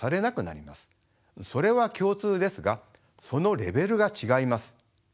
それは共通ですがそのレベルが違います。